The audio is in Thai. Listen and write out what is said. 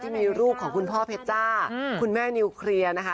ที่มีรูปของคุณพ่อเพชรจ้าคุณแม่นิวเคลียร์นะคะ